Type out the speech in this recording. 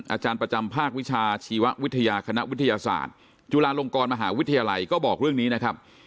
อาจารย์ประจำภาควิชาชีววิทยาคณะวิทยาศาสตร์จุฬาลงกรมหาวิทยาลัยก็บอกเรื่องนี้นะครับ